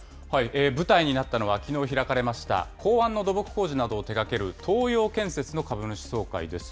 舞台になったのは、きのう開かれました港湾の土木工事などを手がける東洋建設の株主総会です。